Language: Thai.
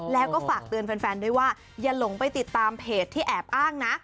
แล้วก็ฝากเตือนแฟนด้วยว่าอย่าหลงไปติดตามเพจที่แอบอ้างนะ